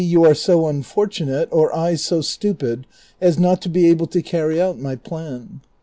417 yoii are so unfortunate, or I so stupid, as not to be able to carry out my plan."